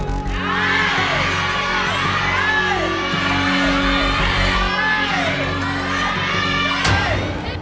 ได้